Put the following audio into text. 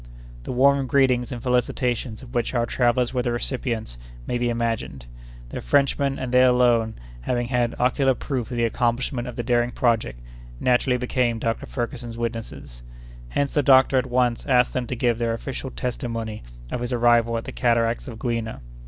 The warm greetings and felicitations of which our travellers were the recipients may be imagined. The Frenchmen, and they alone, having had ocular proof of the accomplishment of the daring project, naturally became Dr. Ferguson's witnesses. Hence the doctor at once asked them to give their official testimony of his arrival at the cataracts of Gouina.